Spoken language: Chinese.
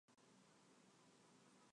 圣普罗热人口变化图示